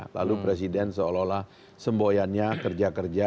lalu presiden seolah olah semboyannya kerja kerja